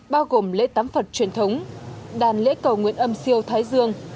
bao gồm lễ tắm phật truyền thống đàn lễ cầu nguyễn âm siêu thái dương